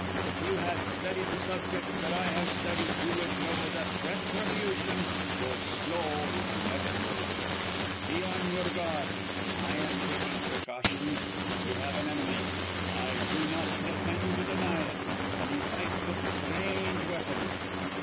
If you had studied the subjects that I have studied you would know that retribution, though slow, is inevitable. But be on your guard. I am taking precautions. We have an enemy; I do not pretend to deny it; and he fights with strange weapons.